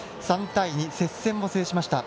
３対２、接戦を制しました。